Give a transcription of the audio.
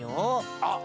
あっ。